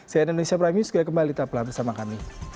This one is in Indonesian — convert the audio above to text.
saya indonesia prime news kembali telah bersama kami